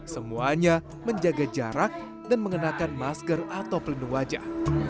semuanya menjaga jarak dan mengenakan masker atau pelindung wajah